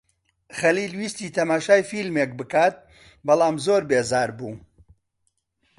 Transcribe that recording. خەلیل ویستی تەماشای فیلمێک بکات بەڵام زۆر بێزار بوو.